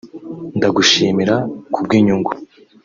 ndagushimira ku bw’inyungu